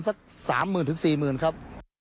สักสามหมื่นถึงสี่หมื่นครับ